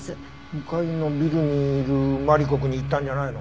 向かいのビルにいるマリコくんに言ったんじゃないの？